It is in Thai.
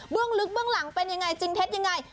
ลึกเบื้องหลังเป็นยังไงจริงเท็จยังไง